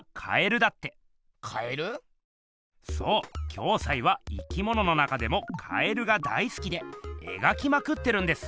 暁斎は生きものの中でも蛙が大すきでえがきまくってるんです。